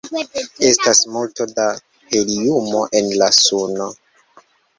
Estas multo da heliumo en la suno.